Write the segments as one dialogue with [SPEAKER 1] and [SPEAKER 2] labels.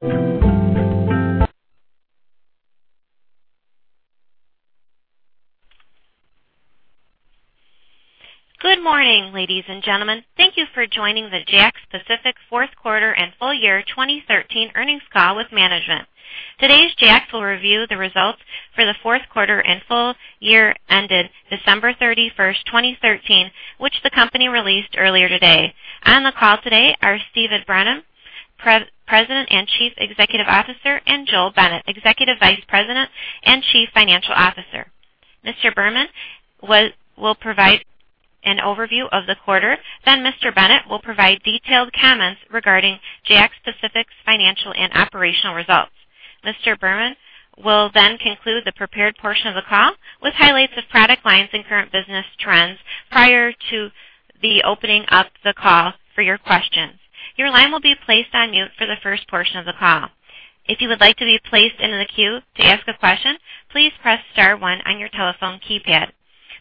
[SPEAKER 1] Good morning, ladies and gentlemen. Thank you for joining the JAKKS Pacific fourth quarter and full year 2013 earnings call with management. Today JAKKS will review the results for the fourth quarter and full year ended December 31, 2013, which the company released earlier today. On the call today are Stephen Berman, President and Chief Executive Officer, and Joel Bennett, Executive Vice President and Chief Financial Officer. Mr. Berman will provide an overview of the quarter. Then Mr. Bennett will provide detailed comments regarding JAKKS Pacific's financial and operational results. Mr. Berman will then conclude the prepared portion of the call with highlights of product lines and current business trends prior to the opening up the call for your questions. Your line will be placed on mute for the first portion of the call. If you would like to be placed into the queue to ask a question, please press star one on your telephone keypad.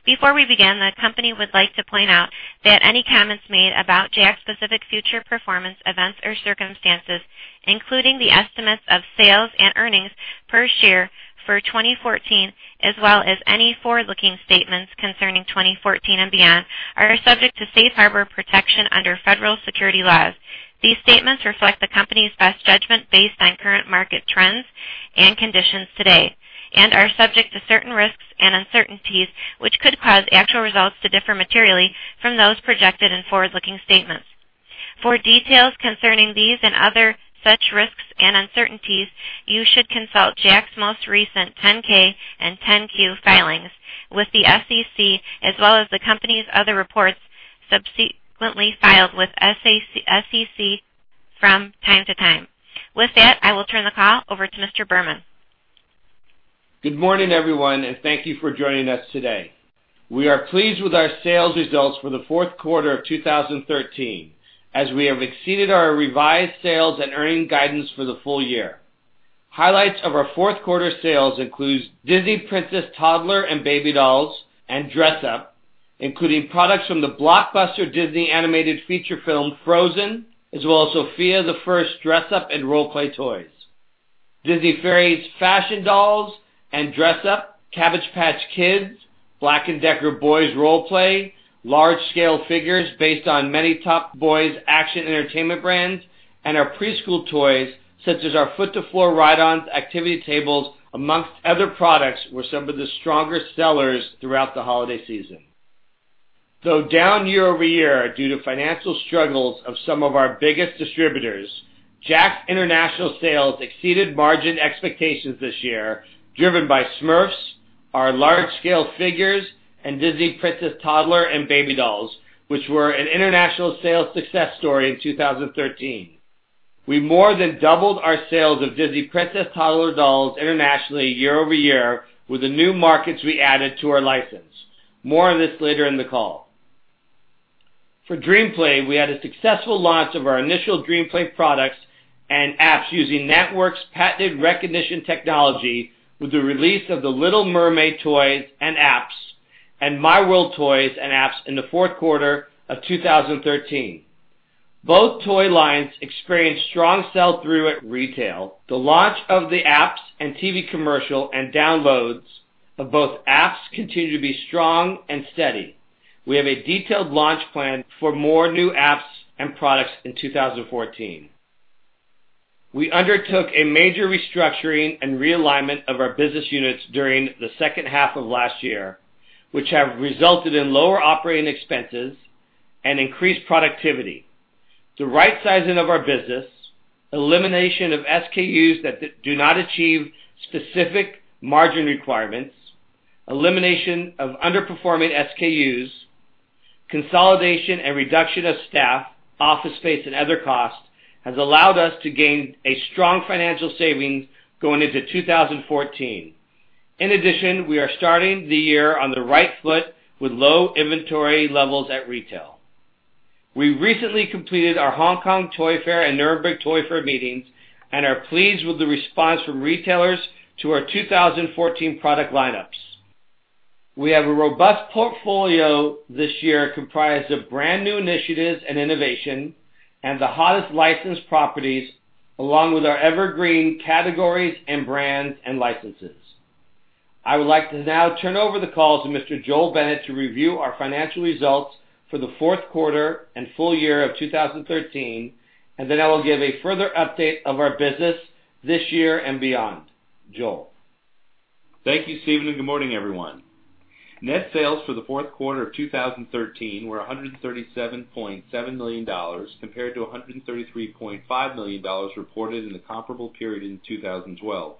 [SPEAKER 1] Before we begin, the company would like to point out that any comments made about JAKKS Pacific future performance events or circumstances, including the estimates of sales and earnings per share for 2014, as well as any forward-looking statements concerning 2014 and beyond, are subject to safe harbor protection under federal securities laws. These statements reflect the company's best judgment based on current market trends and conditions today and are subject to certain risks and uncertainties, which could cause actual results to differ materially from those projected in forward-looking statements. For details concerning these and other such risks and uncertainties, you should consult JAKKS' most recent 10-K and 10-Q filings with the SEC as well as the company's other reports subsequently filed with SEC from time to time. With that, I will turn the call over to Mr. Berman.
[SPEAKER 2] Good morning, everyone, and thank you for joining us today. We are pleased with our sales results for the fourth quarter of 2013, as we have exceeded our revised sales and earnings guidance for the full year. Highlights of our fourth quarter sales includes Disney Princess toddler and baby dolls and dress up, including products from the blockbuster Disney animated feature film, "Frozen," as well as Sofia the First dress up and role play toys. Disney Fairies fashion dolls and dress up, Cabbage Patch Kids, Black & Decker boys role play, large scale figures based on many top boys action entertainment brands, and our preschool toys such as our foot to floor ride-ons activity tables amongst other products were some of the stronger sellers throughout the holiday season. Though down year-over-year due to financial struggles of some of our biggest distributors, JAKKS International sales exceeded margin expectations this year, driven by Smurfs, our large-scale figures, and Disney Princess toddler and baby dolls, which were an international sales success story in 2013. We more than doubled our sales of Disney Princess toddler dolls internationally year-over-year with the new markets we added to our license. More on this later in the call. For DreamPlay, we had a successful launch of our initial DreamPlay products and apps using NantWorks' patented recognition technology with the release of The Little Mermaid toys and apps and miWorld toys and apps in the fourth quarter of 2013. Both toy lines experienced strong sell-through at retail. The launch of the apps and TV commercial and downloads of both apps continue to be strong and steady. We have a detailed launch plan for more new apps and products in 2014. We undertook a major restructuring and realignment of our business units during the second half of last year, which have resulted in lower operating expenses and increased productivity. The right-sizing of our business, elimination of SKUs that do not achieve specific margin requirements, elimination of underperforming SKUs, consolidation and reduction of staff, office space and other costs has allowed us to gain a strong financial savings going into 2014. In addition, we are starting the year on the right foot with low inventory levels at retail. We recently completed our Hong Kong Toy Fair and Nuremberg Toy Fair meetings and are pleased with the response from retailers to our 2014 product lineups. We have a robust portfolio this year comprised of brand new initiatives and innovation and the hottest licensed properties along with our evergreen categories and brands and licenses. I would like to now turn over the call to Mr. Joel Bennett to review our financial results for the fourth quarter and full year of 2013, and then I will give a further update of our business this year and beyond. Joel.
[SPEAKER 3] Thank you, Stephen, and good morning, everyone. Net sales for the fourth quarter of 2013 were $137.7 million compared to $133.5 million reported in the comparable period in 2012.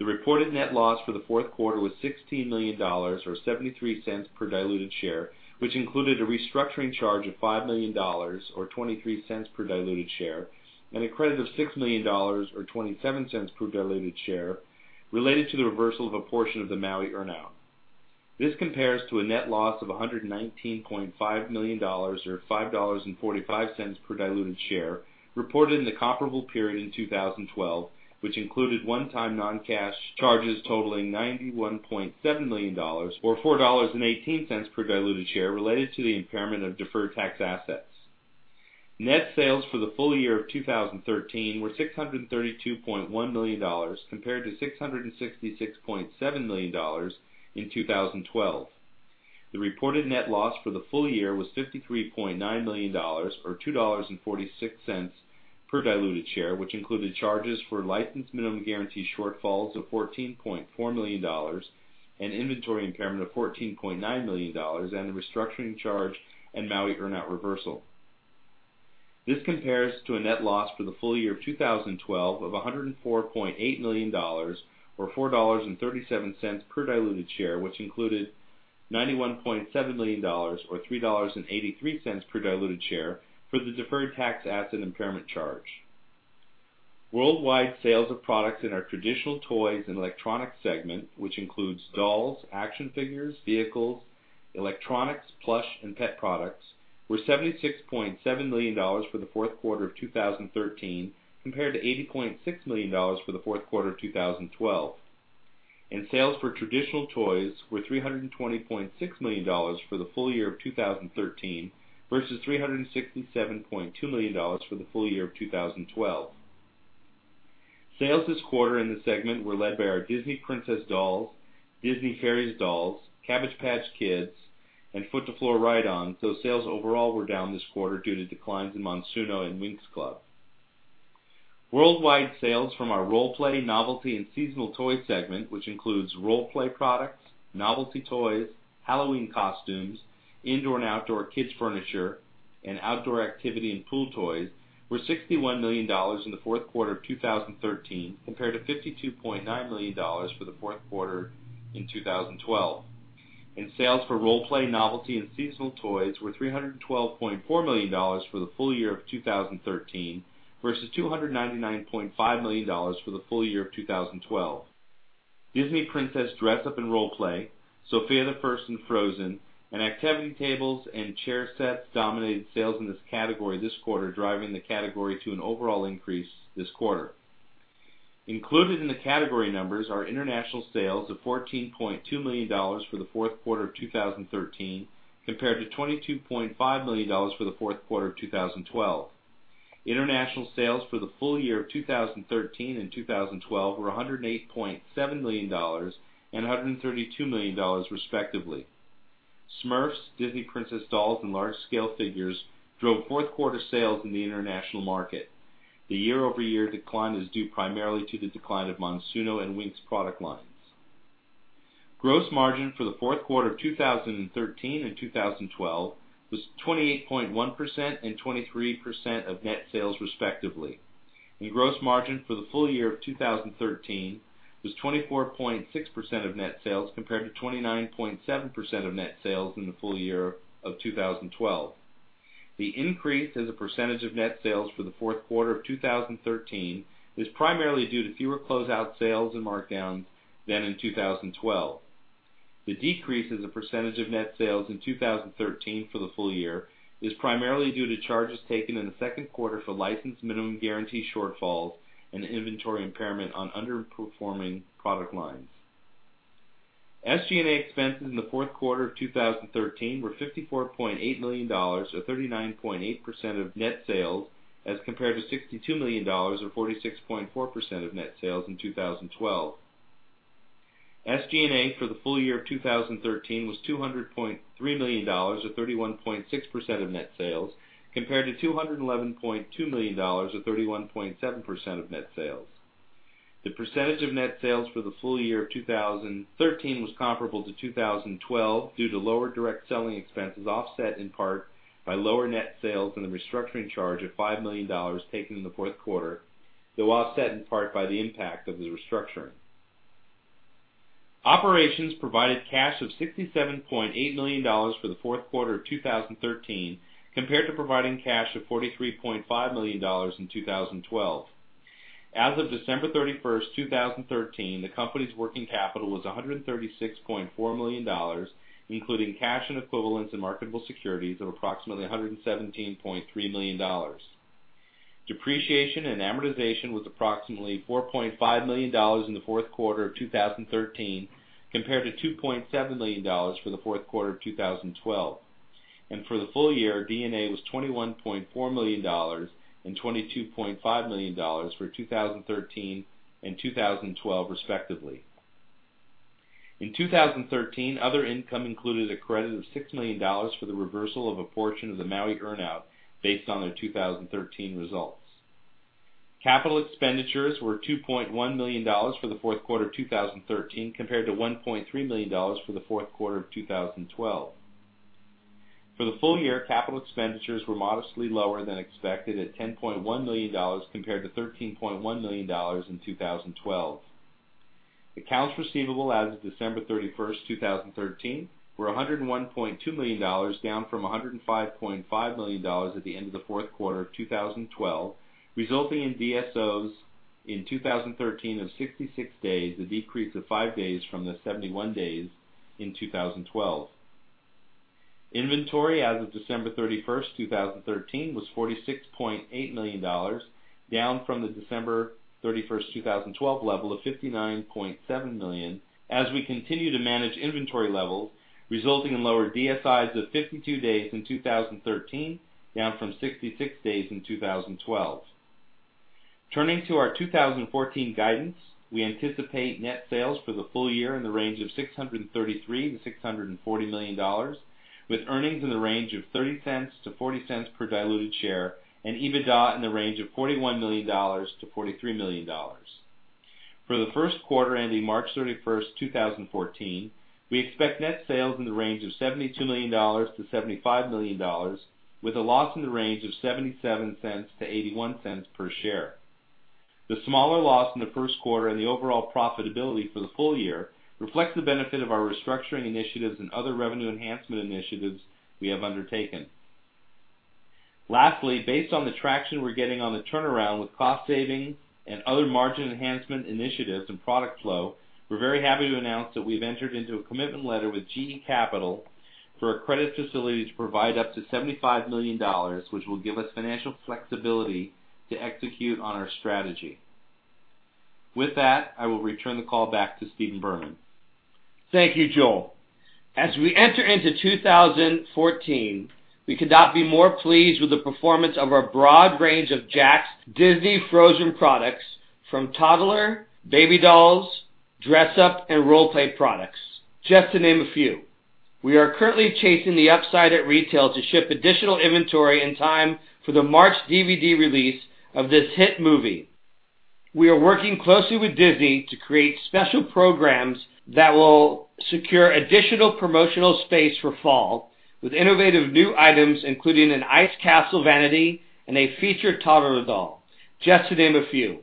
[SPEAKER 3] The reported net loss for the fourth quarter was $16 million, or $0.73 per diluted share, which included a restructuring charge of $5 million, or $0.23 per diluted share, and a credit of $6 million, or $0.27 per diluted share, related to the reversal of a portion of the Maui earn-out. This compares to a net loss of $119.5 million, or $5.45 per diluted share, reported in the comparable period in 2012, which included one-time non-cash charges totaling $91.7 million, or $4.18 per diluted share, related to the impairment of deferred tax assets. Net sales for the full year of 2013 were $632.1 million compared to $666.7 million in 2012. The reported net loss for the full year was $53.9 million, or $2.46 per diluted share, which included charges for licensed minimum guarantee shortfalls of $14.4 million and inventory impairment of $14.9 million and a restructuring charge and Maui earnout reversal. This compares to a net loss for the full year of 2012 of $104.8 million or $4.37 per diluted share, which included $91.7 million or $3.83 per diluted share for the deferred tax asset impairment charge. Worldwide sales of products in our traditional toys and electronics segment, which includes dolls, action figures, vehicles, electronics, plush, and pet products, were $76.7 million for the fourth quarter of 2013 compared to $80.6 million for the fourth quarter of 2012, and sales for traditional toys were $320.6 million for the full year of 2013 versus $367.2 million for the full year of 2012. Sales this quarter in the segment were led by our Disney Princess dolls, Disney Fairies dolls, Cabbage Patch Kids, and foot to floor ride-ons, though sales overall were down this quarter due to declines in Monsuno and Winx Club. Worldwide sales from our role play, novelty, and seasonal toy segment, which includes role play products, novelty toys, Halloween costumes, indoor and outdoor kids furniture, and outdoor activity and pool toys, were $61 million in the fourth quarter of 2013 compared to $52.9 million for the fourth quarter in 2012. Sales for role play, novelty, and seasonal toys were $312.4 million for the full year of 2013 versus $299.5 million for the full year of 2012. Disney Princess dress up and role play, Sofia the First and Frozen, and activity tables and chair sets dominated sales in this category this quarter, driving the category to an overall increase this quarter. Included in the category numbers are international sales of $14.2 million for the fourth quarter of 2013 compared to $22.5 million for the fourth quarter of 2012. International sales for the full year of 2013 and 2012 were $108.7 million and $132 million respectively. Smurfs, Disney Princess dolls, and large-scale figures drove fourth-quarter sales in the international market. The year-over-year decline is due primarily to the decline of Monsuno and Winx product lines. Gross margin for the fourth quarter of 2013 and 2012 was 28.1% and 23% of net sales respectively, and gross margin for the full year of 2013 was 24.6% of net sales compared to 29.7% of net sales in the full year of 2012. The increase as a percentage of net sales for the fourth quarter of 2013 is primarily due to fewer closeout sales and markdowns than in 2012. The decrease as a percentage of net sales in 2013 for the full year is primarily due to charges taken in the second quarter for licensed minimum guarantee shortfalls and inventory impairment on underperforming product lines. SG&A expenses in the fourth quarter of 2013 were $54.8 million or 39.8% of net sales as compared to $62 million or 46.4% of net sales in 2012. SG&A for the full year of 2013 was $200.3 million, or 31.6% of net sales, compared to $211.2 million or 31.7% of net sales. The percentage of net sales for the full year of 2013 was comparable to 2012 due to lower direct selling expenses offset in part by lower net sales and the restructuring charge of $5 million taken in the fourth quarter, though offset in part by the impact of the restructuring. Operations provided cash of $67.8 million for the fourth quarter of 2013 compared to providing cash of $43.5 million in 2012. As of December 31st, 2013, the company's working capital was $136.4 million, including cash and equivalents in marketable securities of approximately $117.3 million. Depreciation and amortization was approximately $4.5 million in the fourth quarter of 2013 compared to $2.7 million for the fourth quarter of 2012. For the full year, D&A was $21.4 million and $22.5 million for 2013 and 2012 respectively. In 2013, other income included a credit of $6 million for the reversal of a portion of the Maui earnout based on their 2013 results. Capital expenditures were $2.1 million for the fourth quarter of 2013 compared to $1.3 million for the fourth quarter of 2012. For the full year, capital expenditures were modestly lower than expected at $10.1 million compared to $13.1 million in 2012. Accounts receivable as of December 31st, 2013, were $101.2 million, down from $105.5 million at the end of the fourth quarter of 2012, resulting in DSOs in 2013 of 66 days, a decrease of five days from the 71 days in 2012. Inventory as of December 31st, 2013, was $46.8 million. Down from the December 31st, 2012, level of $59.7 million as we continue to manage inventory levels, resulting in lower DSI of 52 days in 2013, down from 66 days in 2012. Turning to our 2014 guidance, we anticipate net sales for the full year in the range of $633 million-$640 million, with earnings in the range of $0.30-$0.40 per diluted share, and EBITDA in the range of $41 million-$43 million. For the first quarter ending March 31st, 2014, we expect net sales in the range of $72 million-$75 million, with a loss in the range of $0.77-$0.81 per share. The smaller loss in the first quarter and the overall profitability for the full year reflects the benefit of our restructuring initiatives and other revenue enhancement initiatives we have undertaken. Lastly, based on the traction we're getting on the turnaround with cost saving and other margin enhancement initiatives and product flow, we're very happy to announce that we've entered into a commitment letter with GE Capital for a credit facility to provide up to $75 million, which will give us financial flexibility to execute on our strategy. With that, I will return the call back to Stephen Berman.
[SPEAKER 2] Thank you, Joel. We enter into 2014, we could not be more pleased with the performance of our broad range of JAKKS Disney Frozen products, from toddler, baby dolls, dress-up, and role-play products, just to name a few. We are currently chasing the upside at retail to ship additional inventory in time for the March DVD release of this hit movie. We are working closely with Disney to create special programs that will secure additional promotional space for fall, with innovative new items including an ice castle vanity and a featured toddler doll, just to name a few.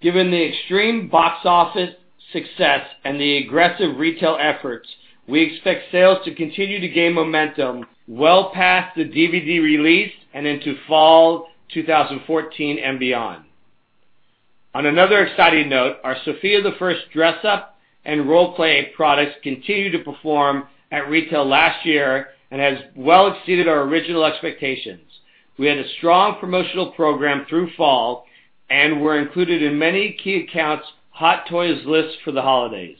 [SPEAKER 2] Given the extreme box office success and the aggressive retail efforts, we expect sales to continue to gain momentum well past the DVD release and into fall 2014 and beyond. On another exciting note, our Sofia the First dress-up and role-play products continued to perform at retail last year and has well exceeded our original expectations. We had a strong promotional program through fall and were included in many key accounts' hot toys lists for the holidays.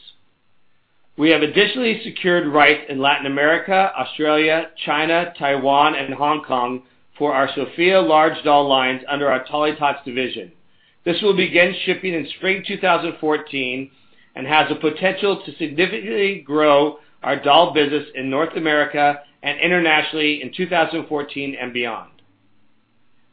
[SPEAKER 2] We have additionally secured rights in Latin America, Australia, China, Taiwan, and Hong Kong for our Sofia large doll lines under our TollyTots division. This will begin shipping in spring 2014 and has the potential to significantly grow our doll business in North America and internationally in 2014 and beyond.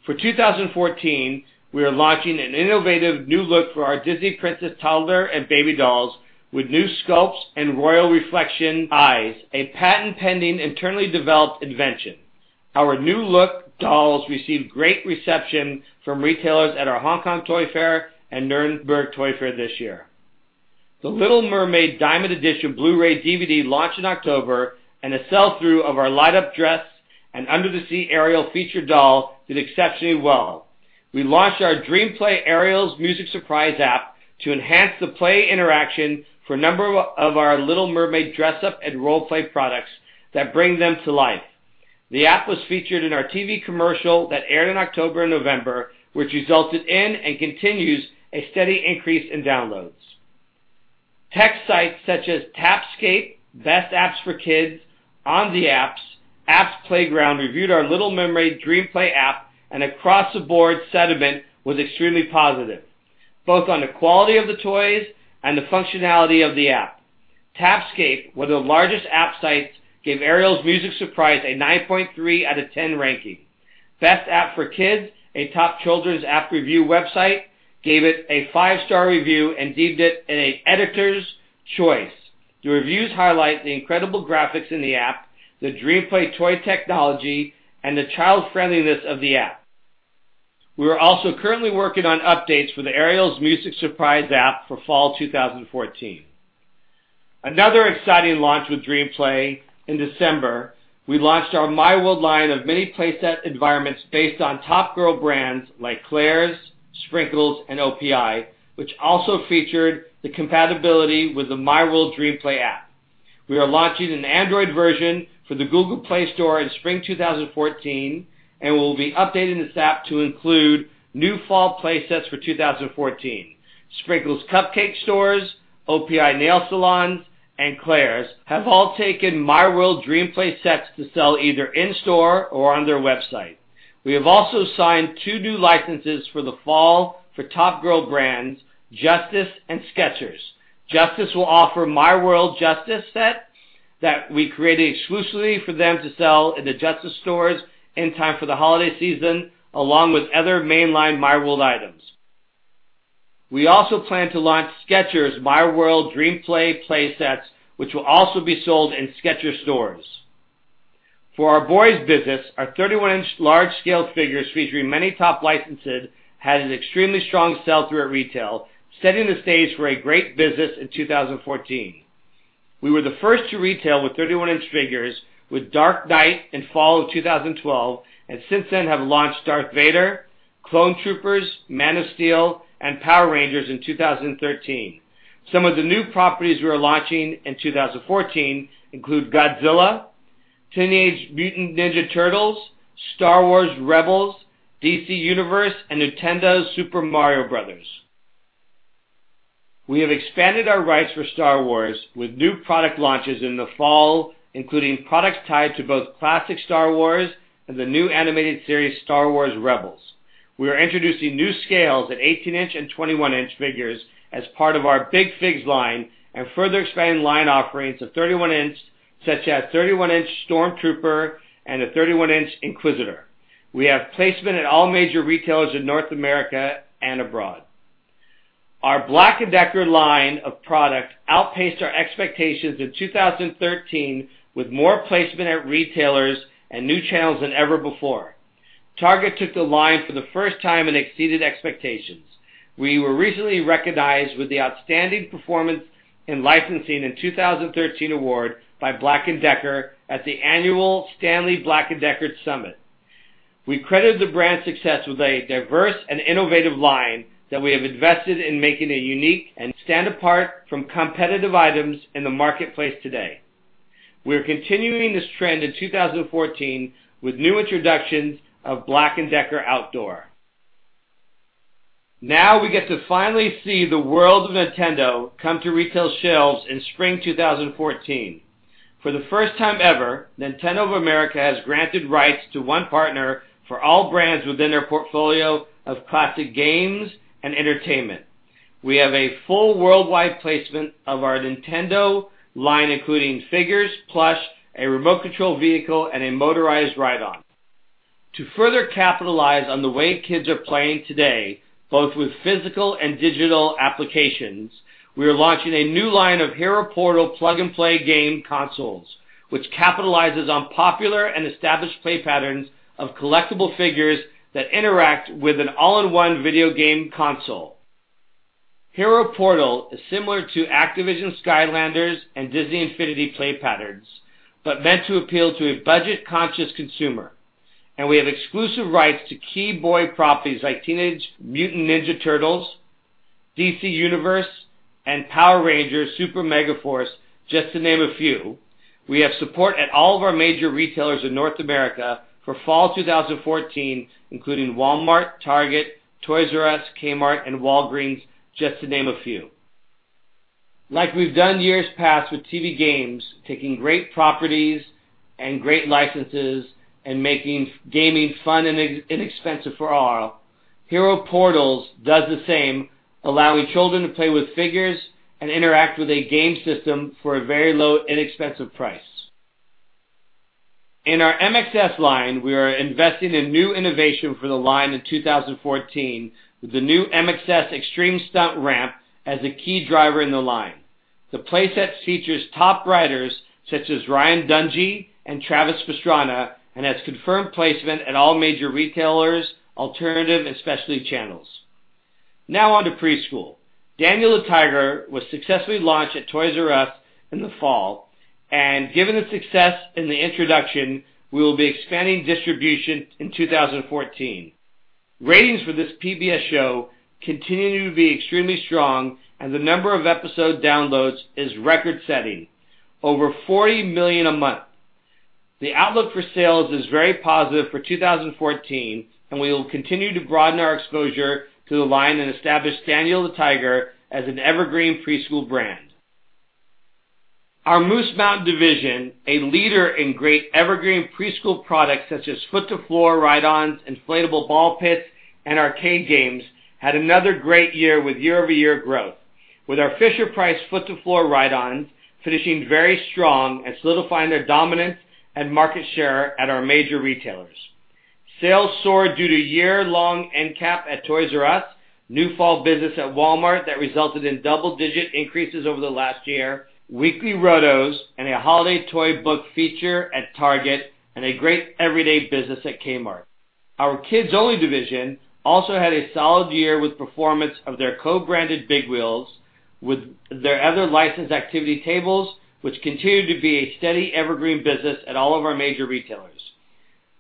[SPEAKER 2] For 2014, we are launching an innovative new look for our Disney Princess toddler and baby dolls with new sculpts and Royal Reflection Eyes, a patent-pending, internally developed invention. Our new look dolls received great reception from retailers at our Hong Kong Toy Fair and Nuremberg Toy Fair this year. The Little Mermaid" Diamond Edition Blu-ray DVD launched in October, and a sell-through of our light-up dress and under-the-sea Ariel featured doll did exceptionally well. We launched our DreamPlay Ariel's Music Surprise app to enhance the play interaction for a number of our Little Mermaid dress-up and role-play products that bring them to life. The app was featured in our TV commercial that aired in October and November, which resulted in and continues a steady increase in downloads. Tech sites such as Tapscape, Best Apps for Kids, On the Apps Playground reviewed our Little Mermaid DreamPlay app, and across the board, sentiment was extremely positive, both on the quality of the toys and the functionality of the app. Tapscape, one of the largest app sites, gave Ariel's Music Surprise a 9.3 out of 10 ranking. Best Apps for Kids, a top children's app review website, gave it a five-star review and deemed it an editor's choice. The reviews highlight the incredible graphics in the app, the DreamPlay toy technology, and the child-friendliness of the app. We are also currently working on updates for the Ariel's Music Surprise app for fall 2014. Another exciting launch with DreamPlay in December, we launched our miWorld line of mini playset environments based on top girl brands like Claire's, Sprinkles, and OPI, which also featured the compatibility with the miWorld DreamPlay app. We are launching an Android version for the Google Play Store in spring 2014 and will be updating this app to include new fall play sets for 2014. Sprinkles cupcake stores, OPI nail salons, and Claire's have all taken miWorld DreamPlay sets to sell either in-store or on their website. We have also signed two new licenses for the fall for top girl brands Justice and Skechers. Justice will offer miWorld Justice set that we created exclusively for them to sell in the Justice stores in time for the holiday season, along with other mainline miWorld items. We also plan to launch Skechers miWorld DreamPlay play sets, which will also be sold in Skechers stores. For our boys business, our 31-inch large scale figures featuring many top licenses had an extremely strong sell-through at retail, setting the stage for a great business in 2014. We were the first to retail with 31-inch figures with Dark Knight in fall of 2012, and since then have launched Darth Vader, Clone Troopers, Man of Steel, and Power Rangers in 2013. Some of the new properties we are launching in 2014 include Godzilla, Teenage Mutant Ninja Turtles, Star Wars Rebels, DC Universe, and Nintendo's Super Mario Bros. We have expanded our rights for Star Wars with new product launches in the fall, including products tied to both classic Star Wars and the new animated series, Star Wars Rebels. We are introducing new scales at 18-inch and 21-inch figures as part of our Big-Figs line, and further expanding line offerings of 31-inch, such as 31-inch Stormtrooper and a 31-inch Inquisitor. We have placement at all major retailers in North America and abroad. Our Black & Decker line of products outpaced our expectations in 2013, with more placement at retailers and new channels than ever before. Target took the line for the first time and exceeded expectations. We were recently recognized with the Outstanding Performance in Licensing in 2013 award by Black & Decker at the annual Stanley Black & Decker Summit. We credit the brand's success with a diverse and innovative line that we have invested in making it unique and stand apart from competitive items in the marketplace today. We are continuing this trend in 2014 with new introductions of Black & Decker outdoor. We get to finally see the world of Nintendo come to retail shelves in spring 2014. For the first time ever, Nintendo of America has granted rights to one partner for all brands within their portfolio of classic games and entertainment. We have a full worldwide placement of our Nintendo line, including figures, plush, a remote control vehicle, and a motorized ride-on. To further capitalize on the way kids are playing today, both with physical and digital applications, we are launching a new line of Hero Portal plug-and-play game consoles, which capitalizes on popular and established play patterns of collectible figures that interact with an all-in-one video game console. Hero Portal is similar to Activision Skylanders and Disney Infinity play patterns, but meant to appeal to a budget-conscious consumer, and we have exclusive rights to key boy properties like Teenage Mutant Ninja Turtles, DC Universe, and Power Rangers Super Megaforce, just to name a few. We have support at all of our major retailers in North America for fall 2014, including Walmart, Target, Toys "R" Us, Kmart, and Walgreens, just to name a few. Like we've done years past with TV Games, taking great properties and great licenses and making gaming fun and inexpensive for all, Hero Portal does the same, allowing children to play with figures and interact with a game system for a very low, inexpensive price. In our MXS line, we are investing in new innovation for the line in 2014 with the new MXS Extreme Stunt Ramp as a key driver in the line. The play set features top riders such as Ryan Dungey and Travis Pastrana and has confirmed placement at all major retailers, alternative and specialty channels. On to preschool. Daniel the Tiger was successfully launched at Toys "R" Us in the fall, and given the success in the introduction, we will be expanding distribution in 2014. Ratings for this PBS show continue to be extremely strong, and the number of episode downloads is record-setting, over 40 million a month. The outlook for sales is very positive for 2014, and we will continue to broaden our exposure to the line and establish Daniel the Tiger as an evergreen preschool brand. Our Moose Mountain division, a leader in great evergreen preschool products such as foot to floor ride-ons, inflatable ball pits, and arcade games, had another great year with year-over-year growth, with our Fisher-Price foot to floor ride-ons finishing very strong and solidifying their dominance and market share at our major retailers. Sales soared due to year-long end cap at Toys "R" Us, new fall business at Walmart that resulted in double-digit increases over the last year, weekly rotos, and a holiday toy book feature at Target, and a great everyday business at Kmart. Our Kids Only! division also had a solid year with performance of their co-branded Big Wheel with their other licensed activity tables, which continue to be a steady evergreen business at all of our major retailers.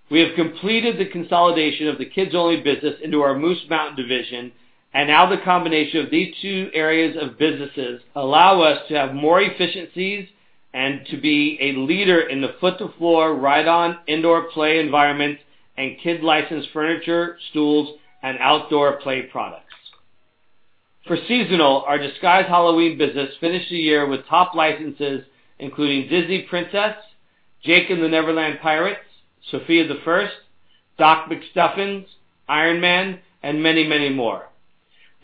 [SPEAKER 2] We have completed the consolidation of the Kids Only! business into our Moose Mountain division, and now the combination of these two areas of businesses allow us to have more efficiencies and to be a leader in the foot to floor ride-on indoor play environment and kid-licensed furniture, stools, and outdoor play products. For seasonal, our Disguise Halloween business finished the year with top licenses including Disney Princess, Jake and the Never Land Pirates, Sofia the First, Doc McStuffins, Iron Man, and many, many more.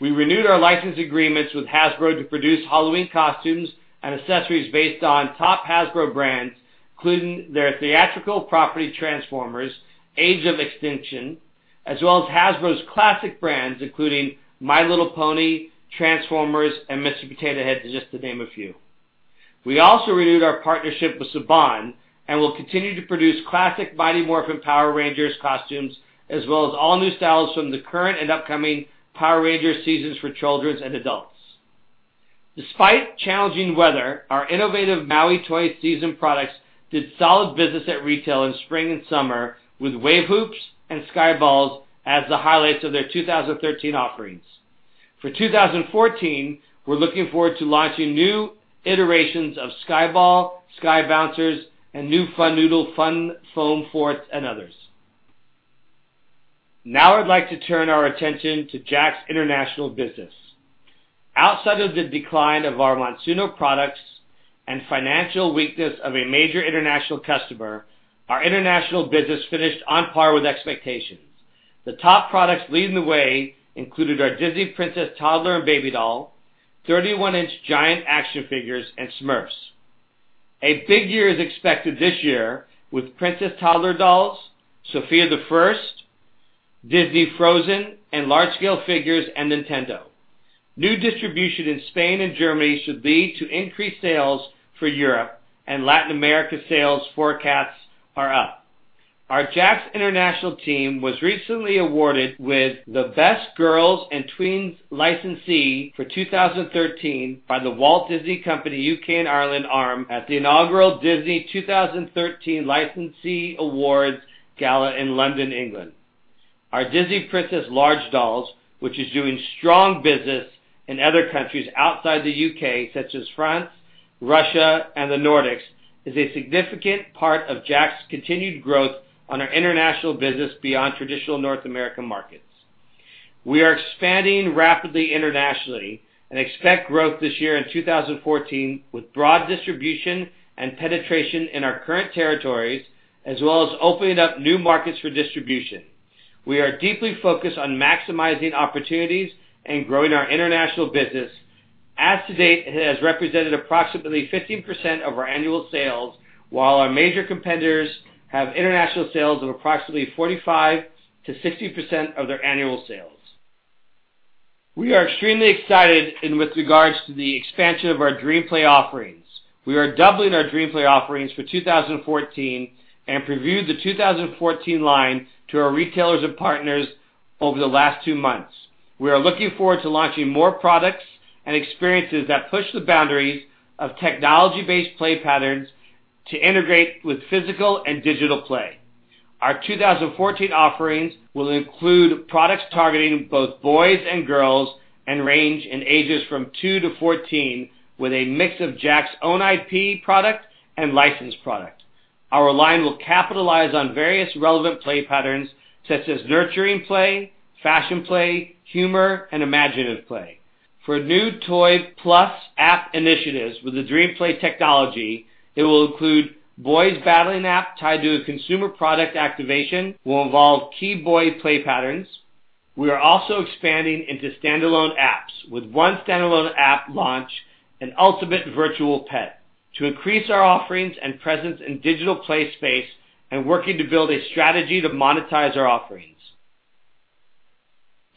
[SPEAKER 2] We renewed our license agreements with Hasbro to produce Halloween costumes and accessories based on top Hasbro brands, including their theatrical property Transformers: Age of Extinction, as well as Hasbro's classic brands, including My Little Pony, Transformers, and Mr. Potato Head, just to name a few. We also renewed our partnership with Saban and will continue to produce classic Mighty Morphin Power Rangers costumes as well as all-new styles from the current and upcoming Power Rangers seasons for children and adults. Despite challenging weather, our innovative Maui Toys season products did solid business at retail in spring and summer with Wave Hoops and Sky Balls as the highlights of their 2013 offerings. For 2014, we are looking forward to launching new iterations of Sky Ball, Sky Bouncers, and new Funnoodle, Fun Forts, and others. I'd like to turn our attention to JAKKS' international business. Outside of the decline of our Monsuno products and financial weakness of a major international customer, our international business finished on par with expectations. The top products leading the way included our Disney Princess Toddler and Baby Doll, 31-inch Giant Action Figures, and Smurfs. A big year is expected this year with Princess Toddler Dolls, Sofia the First, Disney Frozen, and large-scale figures and Nintendo. New distribution in Spain and Germany should lead to increased sales for Europe, and Latin America sales forecasts are up. Our JAKKS international team was recently awarded with the best girls and tweens licensee for 2013 by The Walt Disney Company, U.K. and Ireland arm at the inaugural Disney 2013 Licensee Awards Gala in London, England. Our Disney Princess Large Dolls, which is doing strong business in other countries outside the U.K., such as France, Russia, and the Nordics, is a significant part of JAKKS' continued growth on our international business beyond traditional North American markets. We are expanding rapidly internationally and expect growth this year in 2014 with broad distribution and penetration in our current territories, as well as opening up new markets for distribution. We are deeply focused on maximizing opportunities and growing our international business. As to date, it has represented approximately 15% of our annual sales, while our major competitors have international sales of approximately 45%-60% of their annual sales. We are extremely excited with regards to the expansion of our DreamPlay offerings. We are doubling our DreamPlay offerings for 2014 and previewed the 2014 line to our retailers and partners over the last two months. We are looking forward to launching more products and experiences that push the boundaries of technology-based play patterns to integrate with physical and digital play. Our 2014 offerings will include products targeting both boys and girls and range in ages from two to 14 with a mix of JAKKS' own IP product and licensed product. Our line will capitalize on various relevant play patterns such as nurturing play, fashion play, humor, and imaginative play. For new toy plus app initiatives with the DreamPlay technology, it will include boys battling app tied to a consumer product activation will involve key boy play patterns. We are also expanding into standalone apps with one standalone app launch, an ultimate virtual pet to increase our offerings and presence in digital play space and working to build a strategy to monetize our offerings.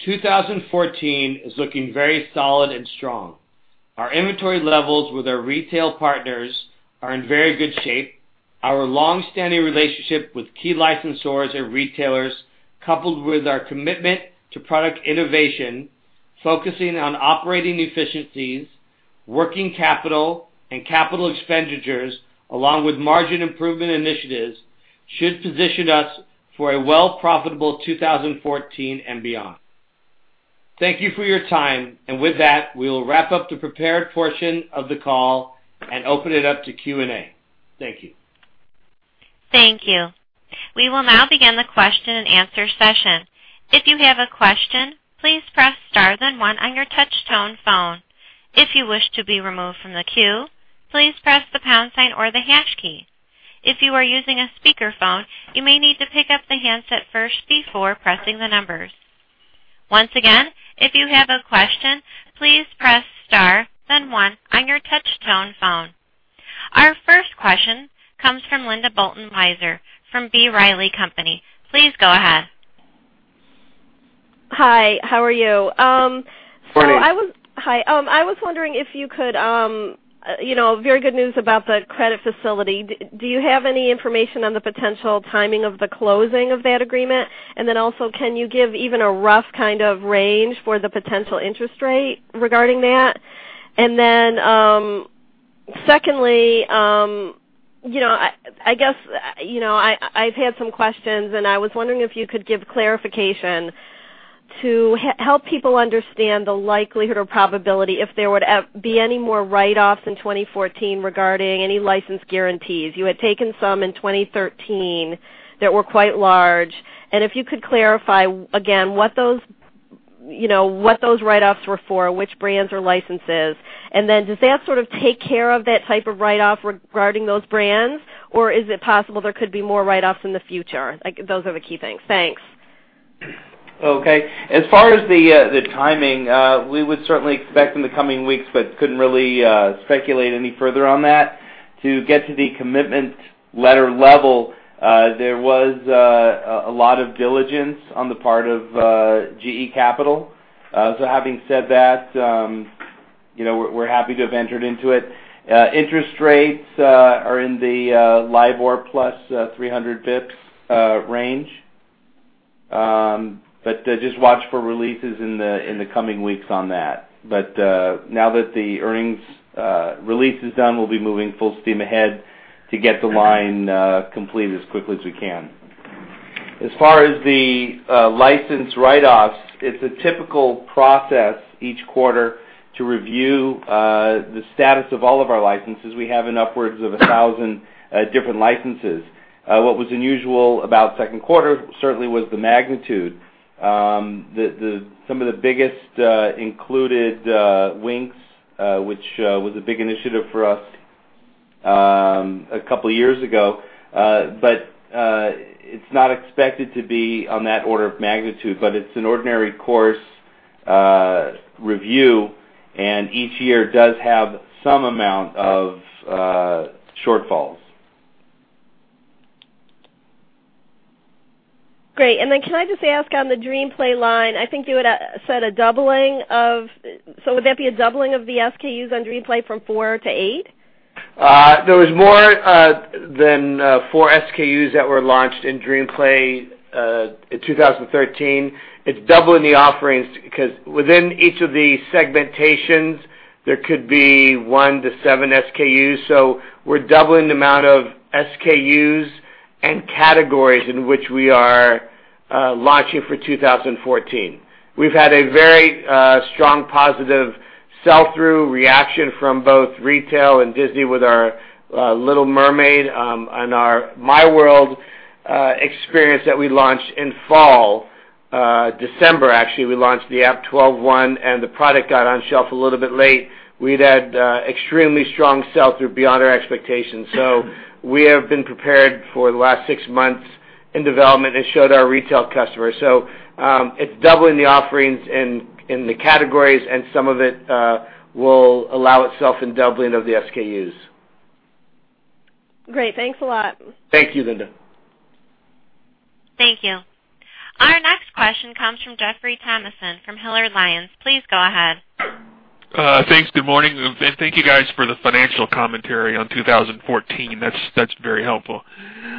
[SPEAKER 2] 2014 is looking very solid and strong. Our inventory levels with our retail partners are in very good shape. Our long-standing relationship with key licensors and retailers, coupled with our commitment to product innovation, focusing on operating efficiencies, working capital, and capital expenditures, along with margin improvement initiatives, should position us for a well profitable 2014 and beyond. Thank you for your time. With that, we will wrap up the prepared portion of the call and open it up to Q&A. Thank you.
[SPEAKER 1] Thank you. We will now begin the question and answer session. If you have a question, please press star then one on your touch tone phone. If you wish to be removed from the queue, please press the pound sign or the hash key. If you are using a speakerphone, you may need to pick up the handset first before pressing the numbers. Once again, if you have a question, please press star then one on your touch tone phone. Our first question comes from Linda Bolton Weiser from B. Riley & Co. Please go ahead.
[SPEAKER 4] Hi. How are you?
[SPEAKER 2] Fine.
[SPEAKER 4] Hi. Very good news about the credit facility. Do you have any information on the potential timing of the closing of that agreement? Also, can you give even a rough kind of range for the potential interest rate regarding that? Secondly, I guess, I've had some questions, and I was wondering if you could give clarification to help people understand the likelihood or probability if there would be any more write-offs in 2014 regarding any license guarantees. You had taken some in 2013 that were quite large. If you could clarify again what those write-offs were for, which brands or licenses. Does that sort of take care of that type of write-off regarding those brands, or is it possible there could be more write-offs in the future? Those are the key things. Thanks.
[SPEAKER 2] As far as the timing, we would certainly expect in the coming weeks but couldn't really speculate any further on that. To get to the commitment letter level, there was a lot of diligence on the part of GE Capital. Having said that, we're happy to have entered into it. Interest rates are in the LIBOR plus 300 basis points range. Just watch for releases in the coming weeks on that. Now that the earnings release is done, we'll be moving full steam ahead to get the line complete as quickly as we can. As far as the license write-offs, it's a typical process each quarter to review the status of all of our licenses. We have upwards of 1,000 different licenses. What was unusual about the second quarter certainly was the magnitude. Some of the biggest included Winx, which was a big initiative for us a couple of years ago. It's not expected to be on that order of magnitude, but it's an ordinary course review, and each year does have some amount of shortfalls.
[SPEAKER 4] Great, can I just ask on the DreamPlay line, I think you had said a doubling. Would that be a doubling of the SKUs on DreamPlay from four to eight?
[SPEAKER 2] There was more than 4 SKUs that were launched in DreamPlay in 2013. It's doubling the offerings because within each of the segmentations, there could be 1 to 7 SKUs. We're doubling the amount of SKUs and categories in which we are launching for 2014. We've had a very strong, positive sell-through reaction from both retail and Disney with our Little Mermaid, and our miWorld experience that we launched in fall, December, actually. We launched the app 12.1 and the product got on shelf a little bit late. We'd had extremely strong sell-through beyond our expectations. We have been prepared for the last six months in development and showed our retail customers. It's doubling the offerings in the categories, and some of it will allow itself in doubling of the SKUs.
[SPEAKER 4] Great. Thanks a lot.
[SPEAKER 2] Thank you, Linda.
[SPEAKER 1] Thank you. Our next question comes from Jeffrey Thomison from Hilliard Lyons. Please go ahead.
[SPEAKER 5] Thanks. Good morning, and thank you guys for the financial commentary on 2014. That's very helpful.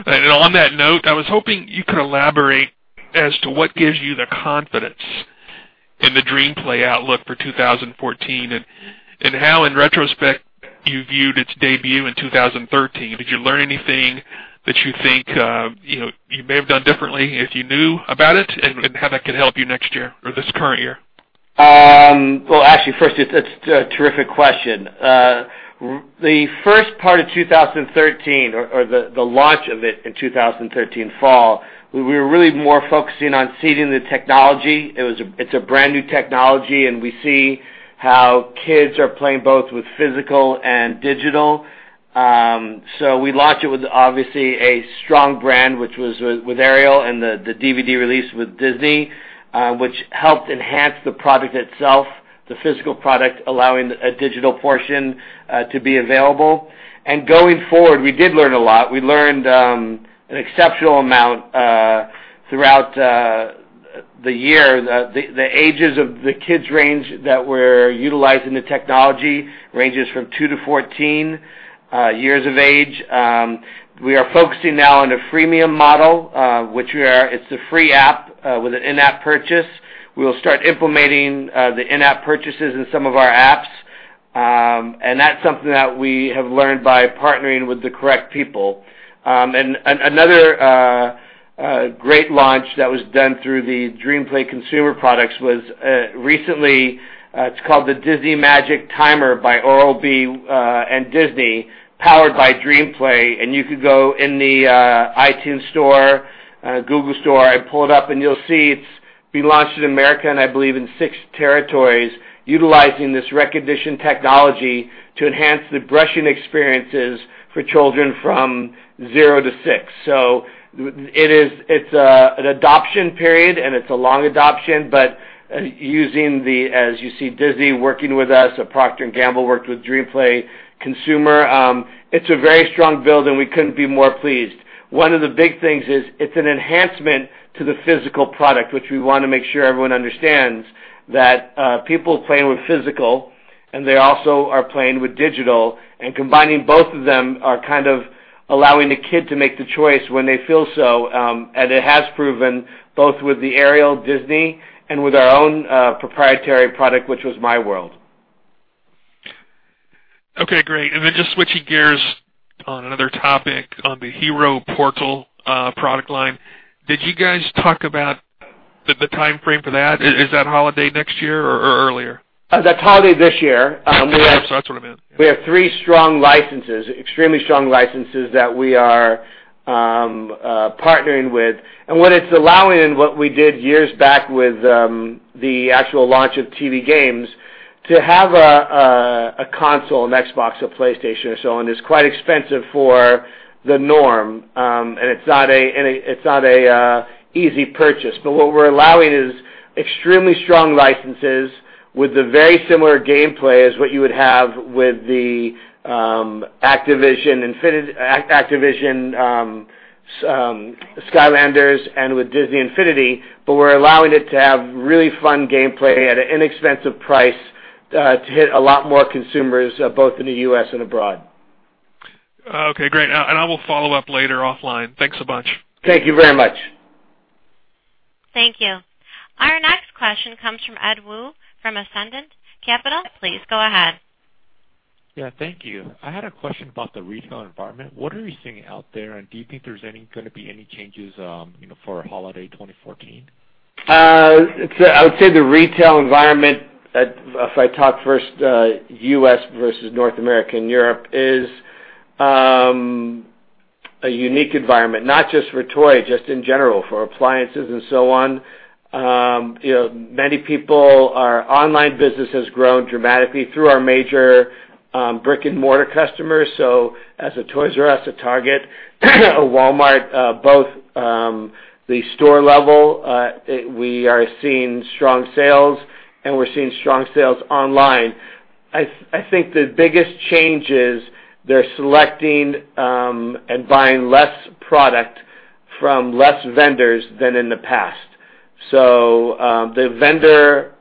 [SPEAKER 5] On that note, I was hoping you could elaborate as to what gives you the confidence in the DreamPlay outlook for 2014 and how, in retrospect, you viewed its debut in 2013. Did you learn anything that you think you may have done differently if you knew about it, and how that could help you next year or this current year?
[SPEAKER 2] Well, actually, first, it's a terrific question. The first part of 2013 or the launch of it in 2013 fall, we were really more focusing on seeding the technology. It's a brand-new technology, and we see how kids are playing both with physical and digital. We launched it with, obviously, a strong brand, which was with Ariel and the DVD release with Disney, which helped enhance the product itself, the physical product, allowing a digital portion to be available. Going forward, we did learn a lot. We learned an exceptional amount throughout the year. The ages of the kids range that were utilizing the technology ranges from 2-14 years of age. We are focusing now on a freemium model, which it's a free app with an in-app purchase. We will start implementing the in-app purchases in some of our apps, and that's something that we have learned by partnering with the correct people. Another great launch that was done through the DreamPlay Consumer products was recently, it's called the Disney Magic Timer by Oral-B and Disney, powered by DreamPlay, and you could go in the iTunes Store, Google Play Store, and pull it up, and you'll see it's been launched in the U.S. and I believe in six territories, utilizing this recognition technology to enhance the brushing experiences for children from 0-6. It's an adoption period, and it's a long adoption, but using the, as you see, Disney working with us, Procter & Gamble worked with DreamPlay Consumer. It's a very strong build, and we couldn't be more pleased. One of the big things is it's an enhancement to the physical product, which we want to make sure everyone understands that people playing with physical and they also are playing with digital, combining both of them are kind of allowing the kid to make the choice when they feel so, it has proven both with the Ariel Disney and with our own proprietary product, which was miWorld.
[SPEAKER 5] Okay, great. Just switching gears on another topic on the Hero Portal product line. Did you guys talk about the timeframe for that? Is that holiday next year or earlier?
[SPEAKER 2] That's holiday this year.
[SPEAKER 5] That's what I meant.
[SPEAKER 2] We have three strong licenses, extremely strong licenses that we are partnering with. What it's allowing and what we did years back with the actual launch of TV Games, to have a console, an Xbox, a PlayStation or so on, is quite expensive for the norm, and it's not an easy purchase. What we're allowing is extremely strong licenses with the very similar gameplay as what you would have with the Activision Skylanders and with Disney Infinity, but we're allowing it to have really fun gameplay at an inexpensive price to hit a lot more consumers, both in the U.S. and abroad.
[SPEAKER 5] Okay, great. I will follow up later offline. Thanks a bunch.
[SPEAKER 2] Thank you very much.
[SPEAKER 1] Thank you. Our next question comes from Ed Woo from Ascendant Capital. Please go ahead.
[SPEAKER 6] Yeah. Thank you. I had a question about the retail environment. What are you seeing out there, and do you think there is going to be any changes for holiday 2014?
[SPEAKER 2] I would say the retail environment, if I talk first U.S. versus North America and Europe, is a unique environment. Not just for toy, just in general, for appliances and so on. Many people, our online business has grown dramatically through our major brick-and-mortar customers. As a Toys "R" Us, a Target, a Walmart, both the store level, we are seeing strong sales, and we are seeing strong sales online. I think the biggest change is they are selecting and buying less product from less vendors than in the past. The vendors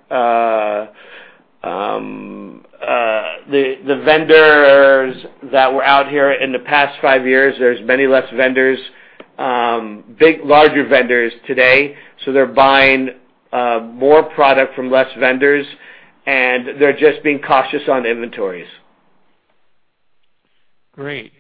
[SPEAKER 2] that were out here in the past five years, there are many less vendors, big, larger vendors today. They are buying more product from less vendors, and they are just being cautious on inventories.
[SPEAKER 6] Great,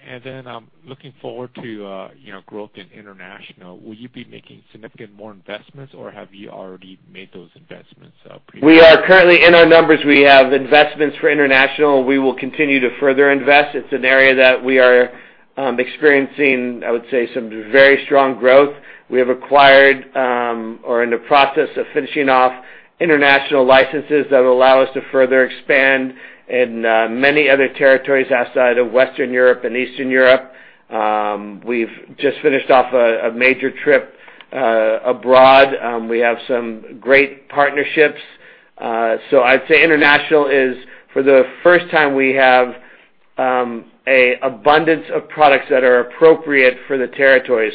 [SPEAKER 6] looking forward to growth in international, will you be making significant more investments, or have you already made those investments previously?
[SPEAKER 2] Currently, in our numbers, we have investments for international. We will continue to further invest. It is an area that we are experiencing, I would say, some very strong growth. We have acquired or are in the process of finishing off international licenses that will allow us to further expand in many other territories outside of Western Europe and Eastern Europe. We have just finished off a major trip abroad. We have some great partnerships. I would say international is, for the first time, we have an abundance of products that are appropriate for the territory.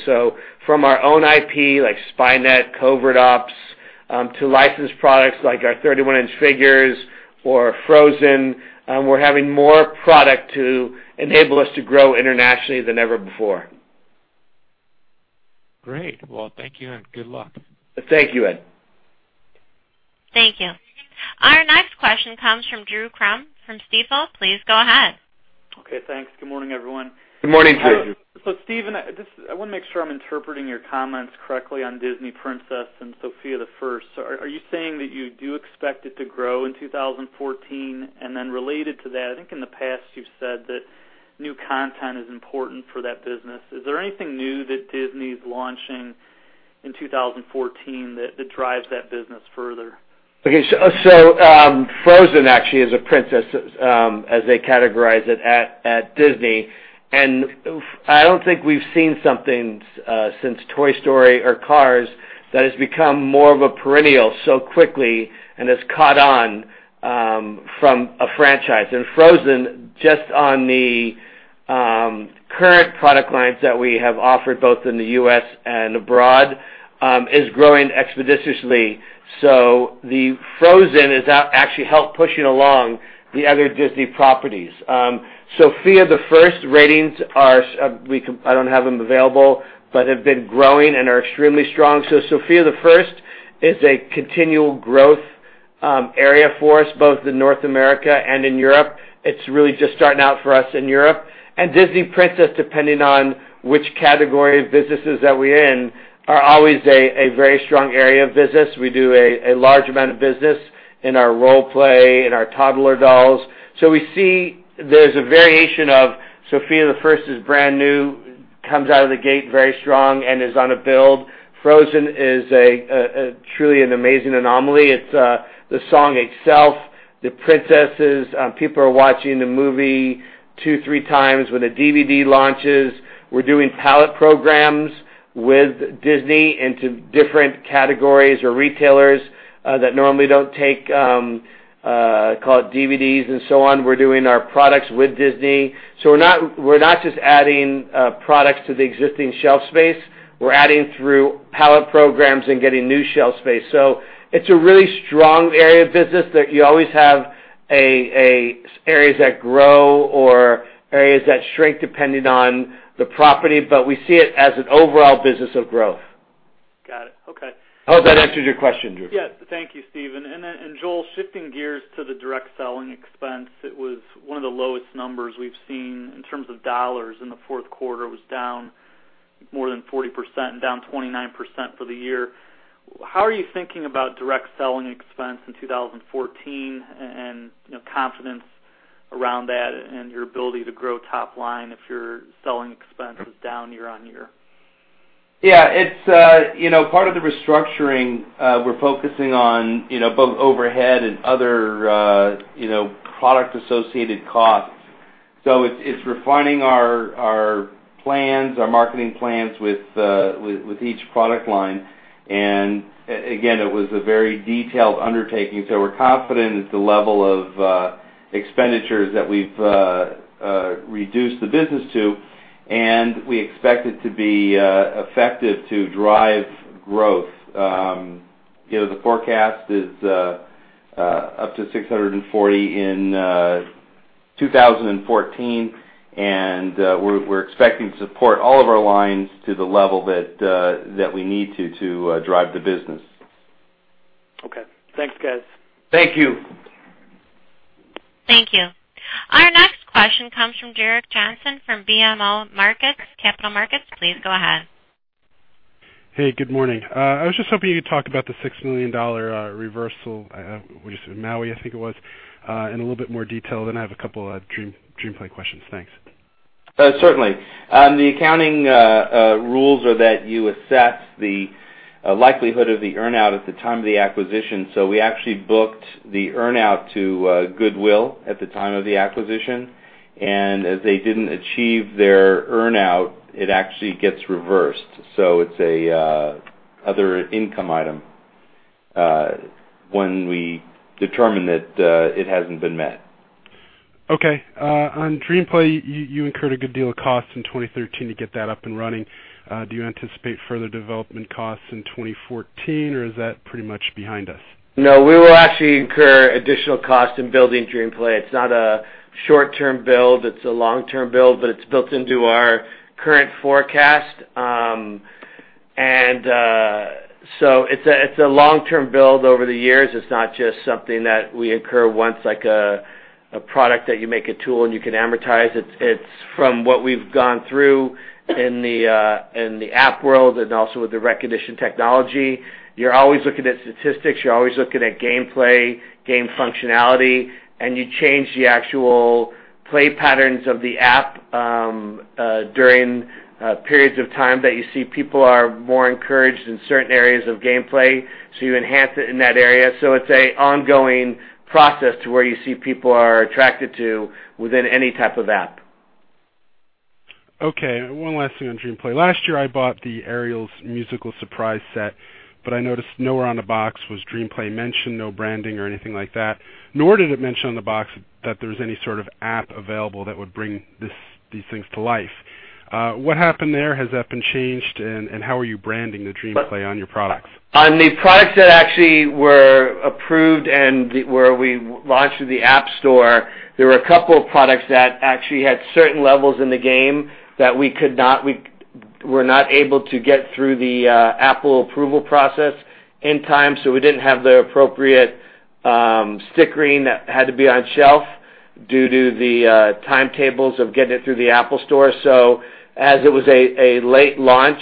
[SPEAKER 2] From our own IP, like Spy Net, Covert Ops, to licensed products like our 31-inch figures or Frozen, we are having more product to enable us to grow internationally than ever before.
[SPEAKER 6] Great. Well, thank you, and good luck.
[SPEAKER 2] Thank you, Ed.
[SPEAKER 1] Thank you. Our next question comes from Drew Crum from Stifel. Please go ahead.
[SPEAKER 7] Okay. Thanks. Good morning, everyone.
[SPEAKER 2] Good morning, Drew.
[SPEAKER 7] Stephen, I want to make sure I'm interpreting your comments correctly on Disney Princess and Sofia the First. Are you saying that you do expect it to grow in 2014? Related to that, I think in the past, you've said that new content is important for that business. Is there anything new that Disney's launching in 2014 that drives that business further?
[SPEAKER 2] Okay. Frozen actually is a princess, as they categorize it at Disney, and I don't think we've seen something since Toy Story or Cars that has become more of a perennial so quickly and has caught on from a franchise. Frozen, just on the current product lines that we have offered both in the U.S. and abroad, is growing expeditiously. The Frozen has actually helped pushing along the other Disney properties. Sofia the First ratings are, I don't have them available, but have been growing and are extremely strong. Sofia the First is a continual growth area for us, both in North America and in Europe. It's really just starting out for us in Europe. Disney Princess, depending on which category of businesses that we're in, are always a very strong area of business. We do a large amount of business in our role play, in our toddler dolls. We see there's a variation of Sofia the First is brand new, comes out of the gate very strong, and is on a build. Frozen is truly an amazing anomaly. It's the song itself, the princesses, people are watching the movie two, three times when the DVD launches. We're doing pallet programs with Disney into different categories or retailers that normally don't take DVDs and so on. We're doing our products with Disney. We're not just adding products to the existing shelf space. We're adding through pallet programs and getting new shelf space. It's a really strong area of business that you always have areas that grow or areas that shrink depending on the property, but we see it as an overall business of growth.
[SPEAKER 7] Got it. Okay.
[SPEAKER 2] I hope that answers your question, Drew.
[SPEAKER 7] Yes. Thank you, Stephen. Joel, shifting gears to the direct selling expense, it was one of the lowest numbers we've seen in terms of dollars in the fourth quarter. It was down more than 40% and down 29% for the year. How are you thinking about direct selling expense in 2014 and confidence around that and your ability to grow top line if your selling expense is down year-on-year?
[SPEAKER 3] Yeah. Part of the restructuring, we're focusing on both overhead and other product-associated costs. It's refining our plans, our marketing plans with each product line, and again, it was a very detailed undertaking. We're confident at the level of expenditures that we've reduced the business to, and we expect it to be effective to drive growth. The forecast is up to $640 million in 2014, and we're expecting to support all of our lines to the level that we need to drive the business.
[SPEAKER 7] Okay. Thanks, guys.
[SPEAKER 2] Thank you.
[SPEAKER 1] Thank you. Our next question comes from Derrick Johnson from BMO Capital Markets. Please go ahead.
[SPEAKER 8] Hey, good morning. I was just hoping you could talk about the $6 million reversal, Maui, I think it was, in a little bit more detail. I have a couple of DreamPlay questions. Thanks.
[SPEAKER 2] Certainly. The accounting rules are that you assess the likelihood of the earn-out at the time of the acquisition. We actually booked the earn-out to goodwill at the time of the acquisition, and as they didn't achieve their earn-out, it actually gets reversed. It's an other income item when we determine that it hasn't been met.
[SPEAKER 8] Okay. On DreamPlay, you incurred a good deal of costs in 2013 to get that up and running. Do you anticipate further development costs in 2014, or is that pretty much behind us?
[SPEAKER 2] No, we will actually incur additional costs in building DreamPlay. It's not a short-term build, it's a long-term build, but it's built into our current forecast. It's a long-term build over the years. It's not just something that we incur once, like a product that you make a tool and you can amortize. It's from what we've gone through in the app world and also with the recognition technology. You're always looking at statistics, you're always looking at game play, game functionality, and you change the actual play patterns of the app during periods of time that you see people are more encouraged in certain areas of game play, you enhance it in that area. It's an ongoing process to where you see people are attracted to within any type of app.
[SPEAKER 8] Okay. One last thing on DreamPlay. Last year, I bought the Ariel's Musical Surprise set, but I noticed nowhere on the box was DreamPlay mentioned, no branding or anything like that. Nor did it mention on the box that there's any sort of app available that would bring these things to life. What happened there? Has that been changed, and how are you branding the DreamPlay on your products?
[SPEAKER 2] That actually were approved and where we launched through the App Store, there were a couple of products that actually had certain levels in the game that we were not able to get through the Apple approval process in time, we didn't have the appropriate stickering that had to be on shelf due to the timetables of getting it through the Apple Store. As it was a late launch,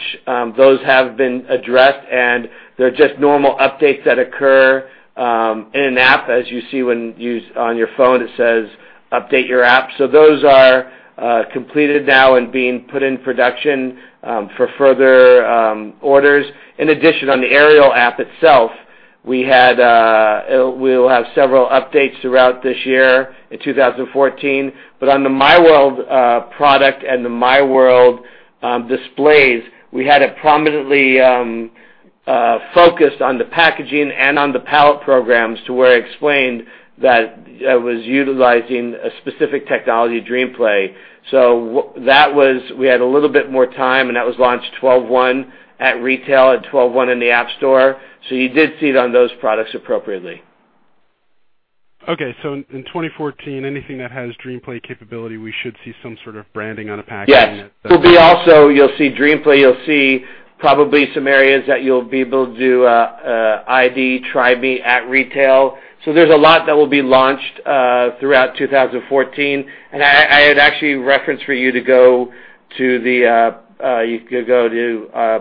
[SPEAKER 2] those have been addressed, and they're just normal updates that occur in an app. As you see when on your phone, it says, "Update your app." Those are completed now and being put in production for further orders. In addition, on the Ariel app itself, we will have several updates throughout this year in 2014. On the miWorld product and the miWorld displays, we had it prominently focused on the packaging and on the pallet programs to where it explained that it was utilizing a specific technology, DreamPlay. We had a little bit more time, and that was launched 12/1 at retail and 12/1 in the App Store. You did see it on those products appropriately.
[SPEAKER 8] Okay. In 2014, anything that has DreamPlay capability, we should see some sort of branding on a packaging.
[SPEAKER 2] Yes. You'll see DreamPlay. You'll see probably some areas that you'll be able to do ID, try me at retail. There's a lot that will be launched throughout 2014, and I'd actually reference for you to go to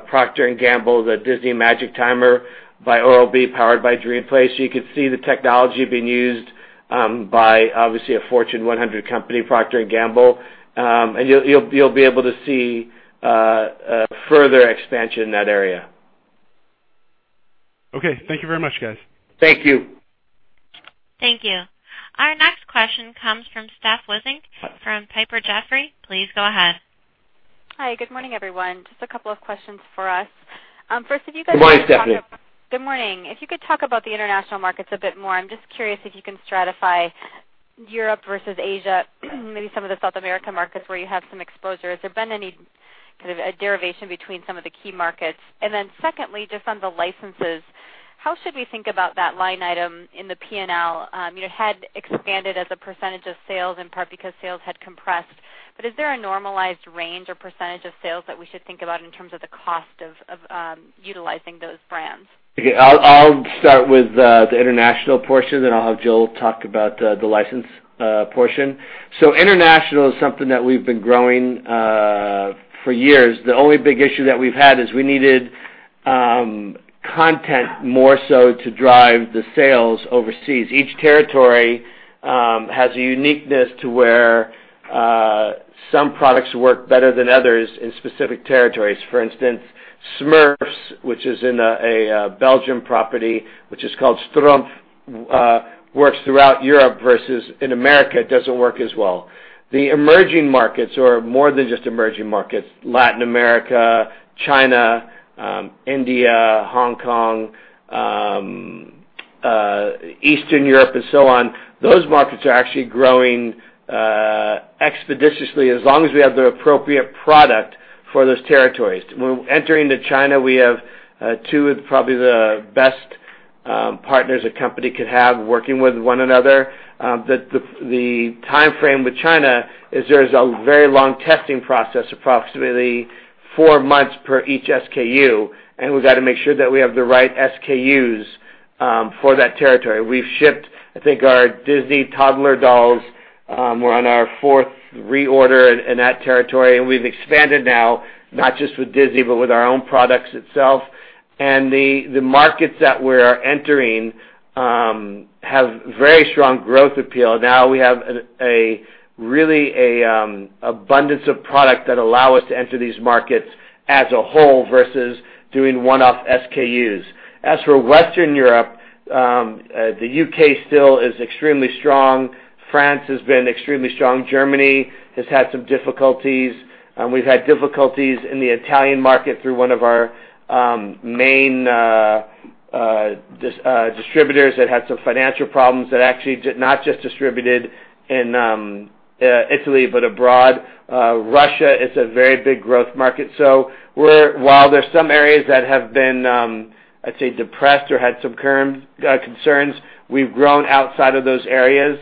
[SPEAKER 2] Procter & Gamble, the Disney Magic Timer by Oral-B, powered by DreamPlay, you could see the technology being used by obviously a Fortune 100 company, Procter & Gamble, and you'll be able to see a further expansion in that area.
[SPEAKER 8] Okay. Thank you very much, guys.
[SPEAKER 2] Thank you.
[SPEAKER 1] Thank you. Our next question comes from Stephanie Wissink from Piper Jaffray. Please go ahead.
[SPEAKER 9] Hi. Good morning, everyone. Just a couple of questions for us. First, have you guys-
[SPEAKER 2] Good morning, Stephanie.
[SPEAKER 9] Good morning. If you could talk about the international markets a bit more, I'm just curious if you can stratify Europe versus Asia, maybe some of the South American markets where you have some exposure. Has there been any kind of a derivation between some of the key markets? Secondly, just on the licenses, how should we think about that line item in the P&L? It had expanded as a percentage of sales, in part because sales had compressed, but is there a normalized range or percentage of sales that we should think about in terms of the cost of utilizing those brands?
[SPEAKER 2] Okay. I'll start with the international portion, then I'll have Joel talk about the license portion. International is something that we've been growing for years. The only big issue that we've had is we needed content more so to drive the sales overseas. Each territory has a uniqueness to where some products work better than others in specific territories. For instance, Smurfs, which is in a Belgium property, which is called "Schtroumpf," works throughout Europe versus in America, it doesn't work as well. The emerging markets, or more than just emerging markets, Latin America, China, India, Hong Kong, Eastern Europe, and so on, those markets are actually growing expeditiously, as long as we have the appropriate product for those territories. When we're entering into China, we have two of probably the best partners a company could have working with one another. The timeframe with China is there's a very long testing process, approximately four months per each SKU, and we've got to make sure that we have the right SKUs for that territory. We've shipped, I think our Disney toddler dolls. We're on our fourth reorder in that territory, and we've expanded now, not just with Disney, but with our own products itself. The markets that we're entering have very strong growth appeal. Now we have really an abundance of product that allow us to enter these markets as a whole versus doing one-off SKUs. As for Western Europe, the U.K. still is extremely strong. France has been extremely strong. Germany has had some difficulties. We've had difficulties in the Italian market through one of our main distributors that had some financial problems that actually not just distributed in Italy but abroad. Russia is a very big growth market. While there's some areas that have been, let's say, depressed or had some concerns, we've grown outside of those areas.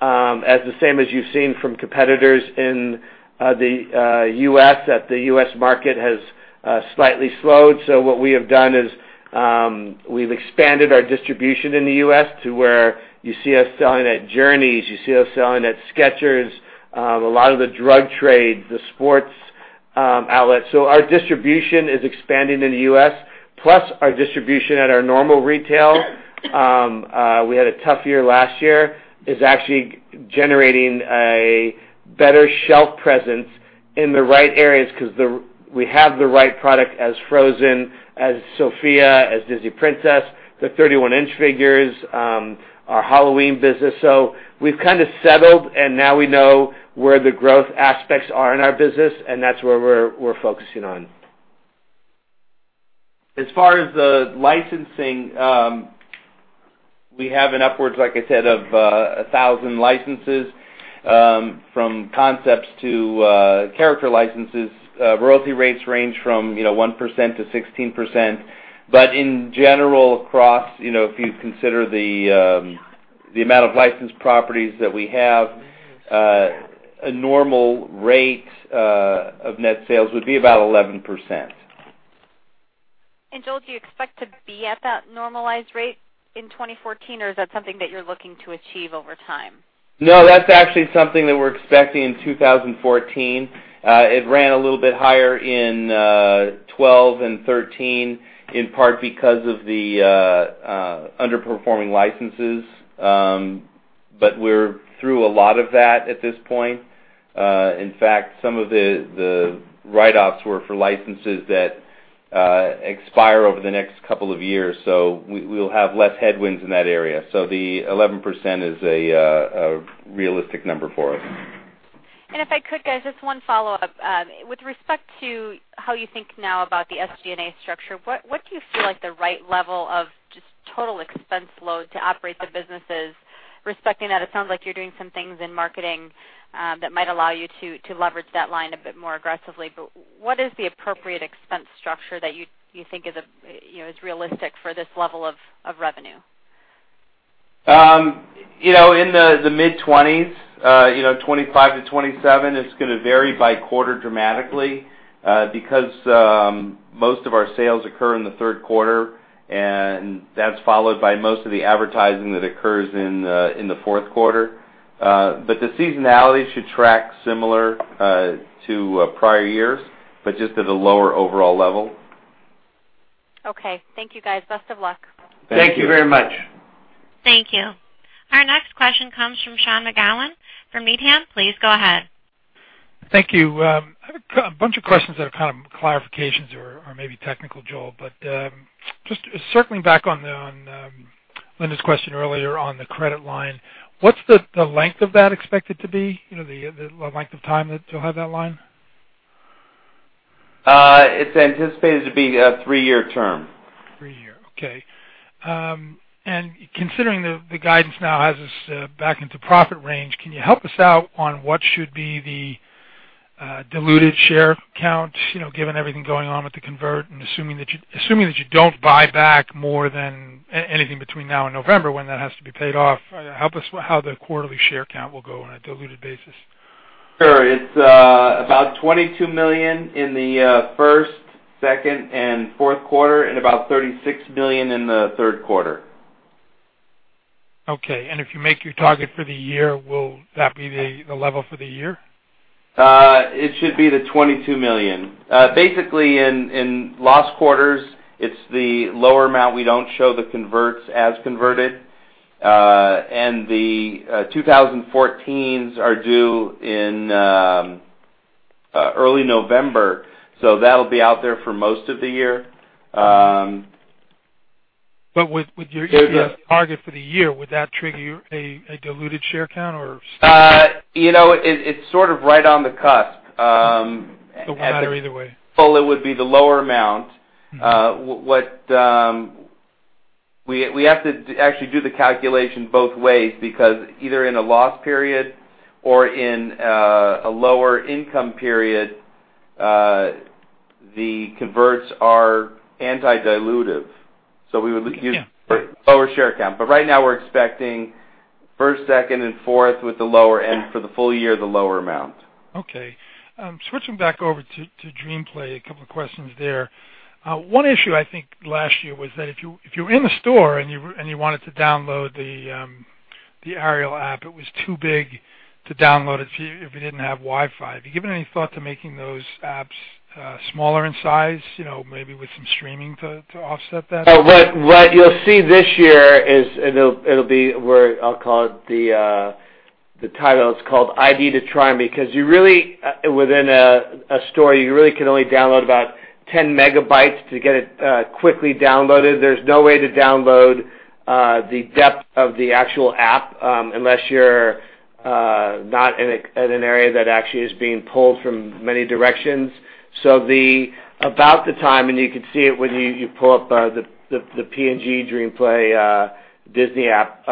[SPEAKER 2] As the same as you've seen from competitors in the U.S., that the U.S. market has slightly slowed. What we have done is, we've expanded our distribution in the U.S. to where you see us selling at Journeys, you see us selling at Skechers, a lot of the drug trades, the sports outlets. Our distribution is expanding in the U.S., plus our distribution at our normal retail, we had a tough year last year, is actually generating a better shelf presence in the right areas because we have the right product as Frozen, as Sofia, as Disney Princess, the 31-inch figures, our Halloween business. We've kind of settled, and now we know where the growth aspects are in our business, and that's where we're focusing on.
[SPEAKER 3] As far as the licensing, we have an upwards, like I said, of 1,000 licenses, from concepts to character licenses. Royalty rates range from 1%-16%. In general, across, if you consider the amount of licensed properties that we have, a normal rate of net sales would be about 11%.
[SPEAKER 9] Joel, do you expect to be at that normalized rate in 2014, or is that something that you're looking to achieve over time?
[SPEAKER 3] No, that's actually something that we're expecting in 2014. It ran a little bit higher in 2012 and 2013, in part because of the underperforming licenses. We're through a lot of that at this point. In fact, some of the write-offs were for licenses that expire over the next couple of years, so we'll have less headwinds in that area. The 11% is a realistic number for us.
[SPEAKER 9] If I could, guys, just one follow-up. With respect to how you think now about the SG&A structure, what do you feel like the right level of just total expense load to operate the business is? Respecting that it sounds like you're doing some things in marketing that might allow you to leverage that line a bit more aggressively, what is the appropriate expense structure that you think is realistic for this level of revenue?
[SPEAKER 3] In the mid-20s, 25 to 27. It's going to vary by quarter dramatically because most of our sales occur in the third quarter, and that's followed by most of the advertising that occurs in the fourth quarter. The seasonality should track similar to prior years, but just at a lower overall level.
[SPEAKER 9] Okay. Thank you, guys. Best of luck.
[SPEAKER 2] Thank you very much.
[SPEAKER 1] Thank you. Our next question comes from Sean McGowan from Needham. Please go ahead.
[SPEAKER 10] Thank you. I have a bunch of questions that are kind of clarifications or maybe technical, Joel. Just circling back on Linda's question earlier on the credit line, what's the length of that expected to be? The length of time that you'll have that line?
[SPEAKER 3] It's anticipated to be a three-year term.
[SPEAKER 10] Three year, okay. Considering the guidance now has us back into profit range, can you help us out on what should be the diluted share count, given everything going on with the convert and assuming that you don't buy back more than anything between now and November when that has to be paid off, help us how the quarterly share count will go on a diluted basis.
[SPEAKER 3] Sure. It's about $22 million in the first, second, and fourth quarter, and about $36 million in the third quarter.
[SPEAKER 10] Okay. If you make your target for the year, will that be the level for the year?
[SPEAKER 3] It should be the $22 million. Basically, in last quarters, it's the lower amount. We don't show the converts as converted. The 2014s are due in early November, so that will be out there for most of the year.
[SPEAKER 10] With your target for the year, would that trigger a diluted share count or?
[SPEAKER 3] It's sort of right on the cusp.
[SPEAKER 10] We're not there either way.
[SPEAKER 3] Full it would be the lower amount. We have to actually do the calculation both ways because either in a loss period or in a lower income period, the converts are anti-dilutive. We would use lower share count. Right now we're expecting First, second, and fourth with the lower end for the full year, the lower amount.
[SPEAKER 10] Okay. Switching back over to DreamPlay, a couple of questions there. One issue, I think, last year was that if you were in the store and you wanted to download the Ariel app, it was too big to download it if you didn't have Wi-Fi. Have you given any thought to making those apps smaller in size, maybe with some streaming to offset that?
[SPEAKER 2] What you'll see this year, I'll call it the title, it's called [ID to Try Me], because within a store, you really can only download about 10 megabytes to get it quickly downloaded. There's no way to download the depth of the actual app, unless you're not in an area that actually is being pulled from many directions. About the time, and you can see it when you pull up the P&G DreamPlay Disney app,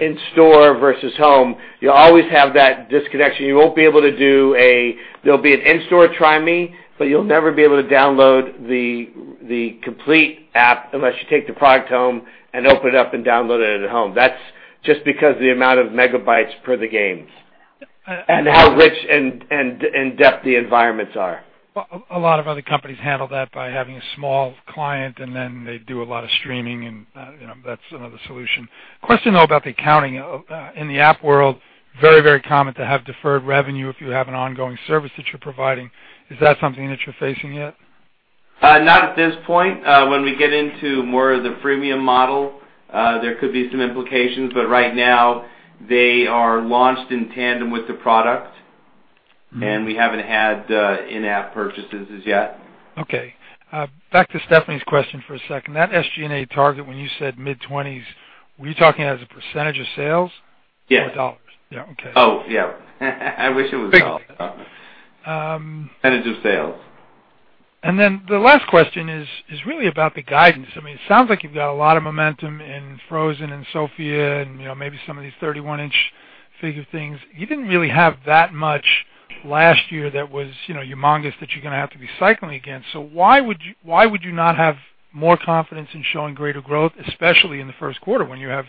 [SPEAKER 2] in-store versus home, you'll always have that disconnection. There'll be an in-store try me, but you'll never be able to download the complete app unless you take the product home and open it up and download it at home. That's just because of the amount of megabytes per the games and how rich and in-depth the environments are.
[SPEAKER 10] A lot of other companies handle that by having a small client, then they do a lot of streaming, that's another solution. Question, though, about the accounting. In the app world, very common to have deferred revenue if you have an ongoing service that you're providing. Is that something that you're facing yet?
[SPEAKER 3] Not at this point. When we get into more of the freemium model, there could be some implications. Right now, they are launched in tandem with the product, and we haven't had in-app purchases as yet.
[SPEAKER 10] Okay. Back to Stephanie's question for a second. That SG&A target, when you said mid-20s, were you talking as a % of sales?
[SPEAKER 2] Yes.
[SPEAKER 10] Or dollars? Yeah, okay.
[SPEAKER 3] Oh, yeah. I wish it was dollars. % of sales.
[SPEAKER 10] The last question is really about the guidance. It sounds like you've got a lot of momentum in Frozen and Sofia and maybe some of these 31-inch figure things. You didn't really have that much last year that was humongous that you're going to have to be cycling against. Why would you not have more confidence in showing greater growth, especially in the first quarter when you have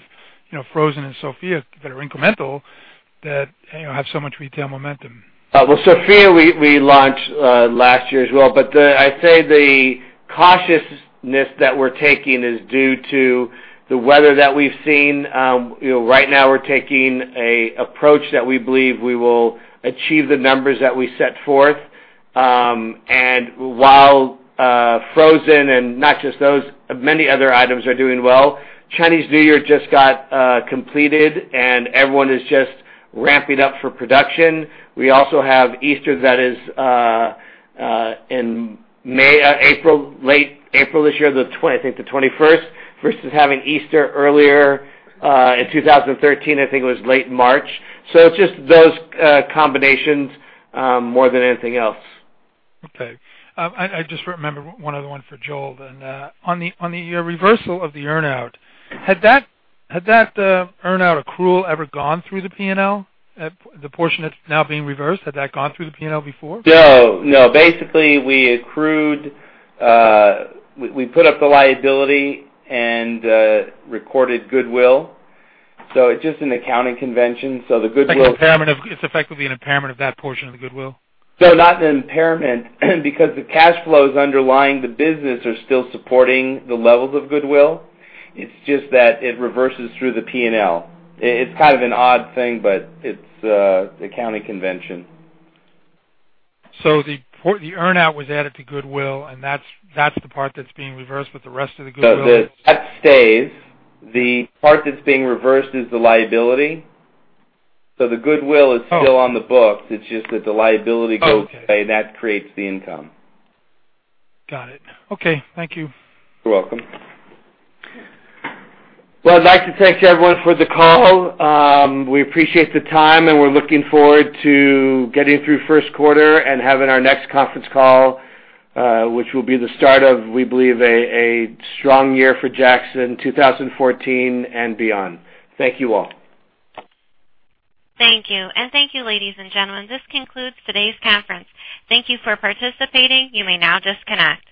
[SPEAKER 10] Frozen and Sofia that are incremental, that have so much retail momentum?
[SPEAKER 2] Sofia, we launched last year as well. I'd say the cautiousness that we're taking is due to the weather that we've seen. Right now, we're taking an approach that we believe we will achieve the numbers that we set forth. While Frozen, and not just those, many other items are doing well, Chinese New Year just got completed, and everyone is just ramping up for production. We also have Easter that is in April, late April this year, I think the 21st, versus having Easter earlier in 2013, I think it was late March. It's just those combinations more than anything else.
[SPEAKER 10] I just remembered one other one for Joel then. On the reversal of the earn-out, had that earn-out accrual ever gone through the P&L? The portion that's now being reversed, had that gone through the P&L before?
[SPEAKER 3] Basically, we put up the liability and recorded goodwill. It's just an accounting convention.
[SPEAKER 10] It's effectively an impairment of that portion of the goodwill?
[SPEAKER 3] No, not an impairment because the cash flows underlying the business are still supporting the levels of goodwill. It is just that it reverses through the P&L. It is kind of an odd thing, but it is accounting convention.
[SPEAKER 10] The earn-out was added to goodwill, and that is the part that is being reversed, but the rest of the goodwill is.
[SPEAKER 3] No. That stays. The part that is being reversed is the liability. The goodwill is still on the books. It is just that the liability goes away, and that creates the income.
[SPEAKER 10] Got it. Okay. Thank you.
[SPEAKER 2] You're welcome. Well, I'd like to thank everyone for the call. We appreciate the time, and we're looking forward to getting through the first quarter and having our next conference call, which will be the start of, we believe, a strong year for JAKKS in 2014 and beyond. Thank you all.
[SPEAKER 1] Thank you. Thank you, ladies and gentlemen. This concludes today's conference. Thank you for participating. You may now disconnect.